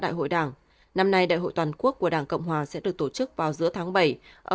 đại hội đảng năm nay đại hội toàn quốc của đảng cộng hòa sẽ được tổ chức vào giữa tháng bảy